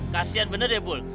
kasian bener deh bul